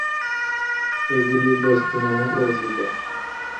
এগুলি "বস্তি" নামে পরিচিত।